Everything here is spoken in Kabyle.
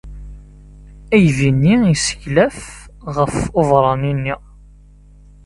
Aydi-nni yesseglef ɣef ubeṛṛani-nni.